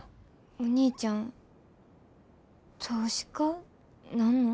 お兄ちゃん投資家なんの？